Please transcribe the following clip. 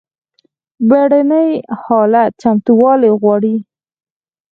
بیړني حالات چمتووالی غواړي